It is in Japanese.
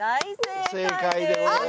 正解でございます。